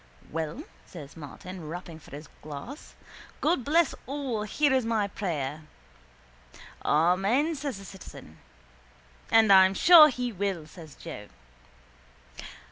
—Well, says Martin, rapping for his glass. God bless all here is my prayer. —Amen, says the citizen. —And I'm sure He will, says Joe.